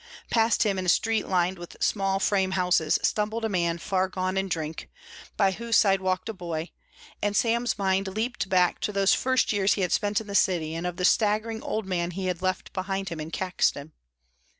Past him in a street lined with small frame houses stumbled a man far gone in drink, by whose side walked a boy, and Sam's mind leaped back to those first years he had spent in the city and of the staggering old man he had left behind him in Caxton.